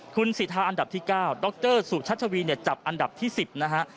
คุณสิทธาอันดับที่๙ดรสุชัชวีเนี่ยจับอันดับที่๑๐นะฮะ